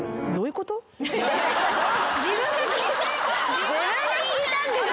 自分が聞いたんですよ。